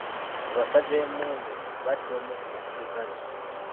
Abasajja b'emmundu batta omu ku basirikale.